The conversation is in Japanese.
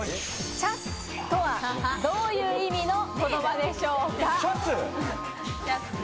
ちゃっすとはどういう意味の言葉でしょうか？